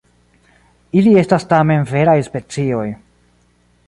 Ili estas tamen veraj specioj.